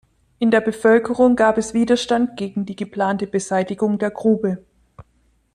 In der Bevölkerung gab es Widerstand gegen die geplante Beseitigung der Grube.